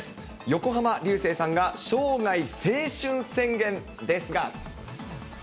横浜流星さんが生涯青春宣言ですが。